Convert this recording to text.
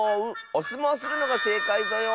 おすもうするのがせいかいぞよ。